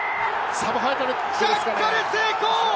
ジャッカル成功！